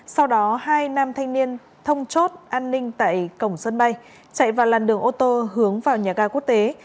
sau đó hai nam thanh niên thông chốt an ninh tại cổng sân bay chạy vào làn đường ô tô hướng vào nhà ga quốc tế